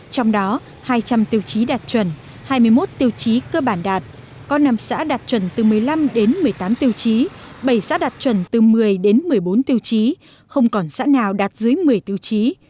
trong đó hai trăm linh tiêu chí đạt chuẩn hai mươi một tiêu chí cơ bản đạt có năm xã đạt chuẩn từ một mươi năm đến một mươi tám tiêu chí bảy xã đạt chuẩn từ một mươi đến một mươi bốn tiêu chí không còn xã nào đạt dưới một mươi tiêu chí